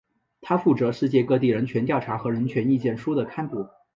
它负责世界各地人权调查和人权意见书的刊布。